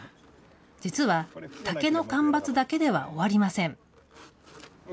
実は竹の間伐だけでは終わりません。